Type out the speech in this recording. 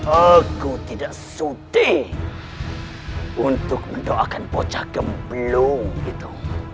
aku tidak sudi untuk mendoakan bocah gemblung itu